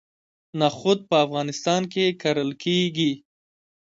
نخود په افغانستان کې کرل کیږي.